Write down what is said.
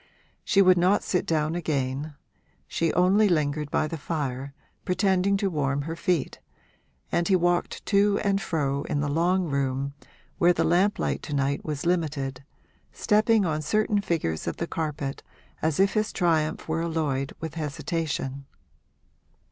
She would not sit down again; she only lingered by the fire, pretending to warm her feet, and he walked to and fro in the long room, where the lamp light to night was limited, stepping on certain figures of the carpet as if his triumph were alloyed with hesitation.